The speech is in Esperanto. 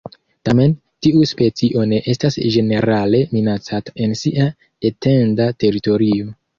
Tamen, tiu specio ne estas ĝenerale minacata en sia etenda teritorio.